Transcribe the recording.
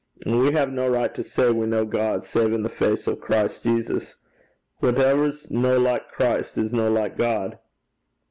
An' we hae no richt to say we ken God save in the face o' Christ Jesus. Whatever 's no like Christ is no like God.'